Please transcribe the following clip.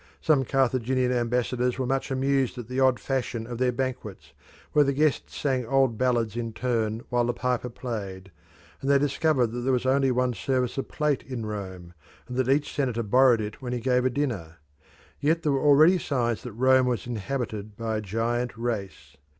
Some Carthaginian ambassadors were much amused at the odd fashion of their banquets, where the guests sang old ballads in turn while the piper played, and they discovered that there was only one service of plate in Rome, and that each senator borrowed it when he gave a dinner. Yet there were already signs that Rome was inhabited by a giant race.